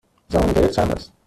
زمان دقیق چند است؟